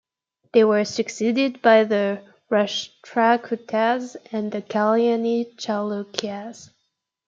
They were succeeded by the Rashtrakutas and the Kalyani Chalukyas.